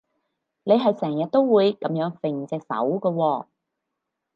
你係成日都會噉樣揈隻手㗎喎